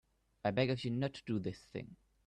I beg of you not to do this thing.